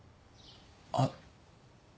あっ。